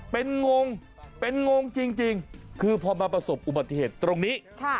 เป็นงงเป็นงงจริงคือพอมาประสบอุบัติเหตุตรงนี้